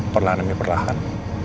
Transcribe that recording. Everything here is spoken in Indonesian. perlahan demi perlahan